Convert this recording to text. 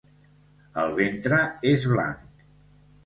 El ventre és blanc.